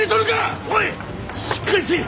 しっかりせい。